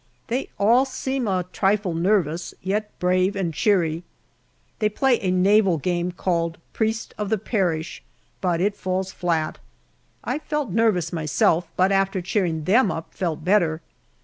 They all seem a trifle nervous, yet brave and cheery. They play a Naval game called "Priest of the Parish," but it falls flat. I felt nervous myself, but after cheering them up, felt better.